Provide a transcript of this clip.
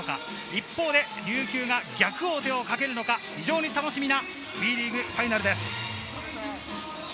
一方で琉球が逆王手をかけるのか非常に楽しみなＢリーグファイナルです。